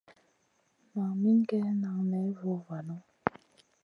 Nan min gue nan ney vovanu.